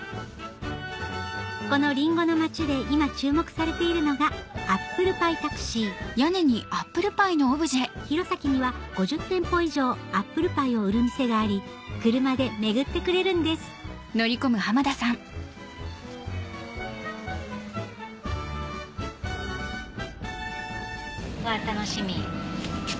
このりんごの町で今注目されているのがアップルパイタクシー弘前には５０店舗以上アップルパイを売る店があり車で巡ってくれるんです楽しみ。